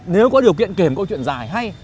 nếu có điều kiện kể một câu chuyện dài hay